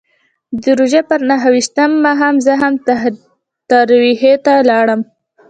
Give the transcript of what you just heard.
د روژې پر نهه ویشتم ماښام زه هم تراویحو ته ولاړم.